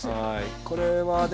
これはね